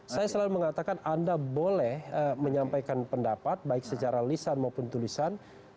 saya selalu mengatakan anda boleh menyampaikan pendapat baik secara lisan maupun tulisan